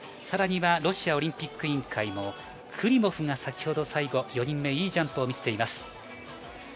さらにはロシアオリンピック委員会もクリモフが先ほど最後４人目、ジャンプを見せています。